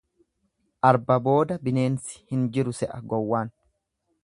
Arba booda bineensi hin jiru se'a gowwaan.